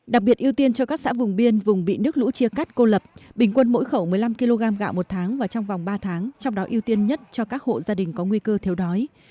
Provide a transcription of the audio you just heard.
đặc biệt ưu tiên cho các xã vùng biên vùng bị nước lũ chia cắt cô lập bình quân mỗi khẩu một mươi năm kg gạo một tháng và trong vòng ba tháng trong đó ưu tiên nhất cho các hộ gia đình có nguy cơ thiếu đói